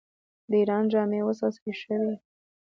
د ایران جامې اوس عصري شوي.